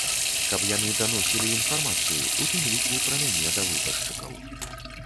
Каб яны даносілі інфармацыю, у тым ліку пра мяне да выбаршчыкаў.